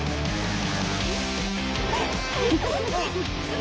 あ？